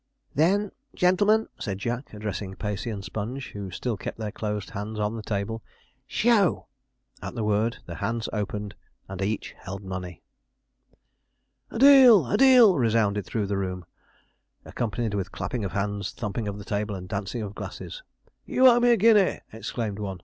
'Then, gen'lemen,' said Jack, addressing Pacey and Sponge, who still kept their closed hands on the table, 'show!' At the word, their hands opened, and each held money. 'A deal! a deal! a deal!' resounded through the room, accompanied with clapping of hands, thumping of the table, and dancing of glasses. 'You owe me a guinea,' exclaimed one.